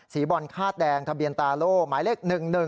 สีบรอนคาดแดงทะเบียนตาโลหมายเลข๑๑๓๗๒